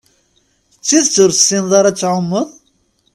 D tidett ur tessineḍ ara ad tɛumeḍ?